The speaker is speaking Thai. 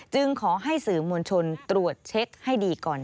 ขอให้สื่อมวลชนตรวจเช็คให้ดีก่อน